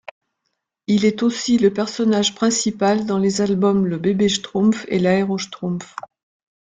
Il est aussi le personnage principal dans les albums Le Bébé Schtroumpf et L'Aéroschtroumpf.